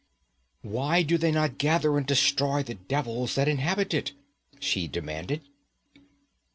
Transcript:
'Why do they not gather and destroy the devils that inhabit it?' she demanded.